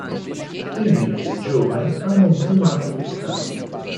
Femmine e giovani hanno un piumaggio più scarno.